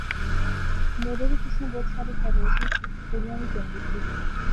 میلے وچ اس نے بہت سارے فیلوز وی سے، کڑئیاں وی، جنگت وی